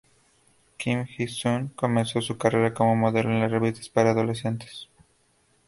Kim Hee-sun comenzó su carrera como modelo en revistas para adolescentes.